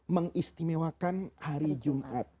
mengistimewakan hari jumat